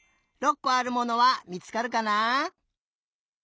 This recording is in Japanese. ６こあるものはみつかるかな？